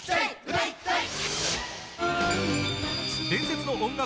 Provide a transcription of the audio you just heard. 歌いたい！